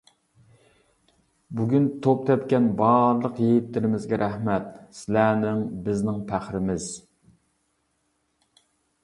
بۈگۈن توپ تەپكەن بارلىق يىگىتلىرىمىزگە رەھمەت، سىلەرنىڭ بىزنىڭ پەخرىمىز!